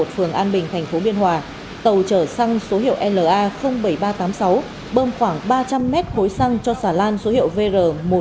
phường an bình thành phố biên hòa tàu chở xăng số hiệu la bảy nghìn ba trăm tám mươi sáu bơm khoảng ba trăm linh m hối xăng cho xà lan số hiệu vr một chín không năm chín sáu bốn chín